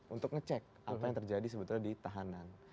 untuk ngecek apa yang terjadi sebetulnya di tahanan